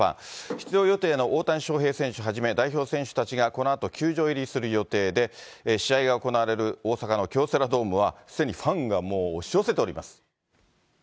出場予定の大谷翔平選手はじめ代表選手たちがこのあと球場入りする予定で試合が行われる大阪の京セラドームは、すでにファンが押し寄せています。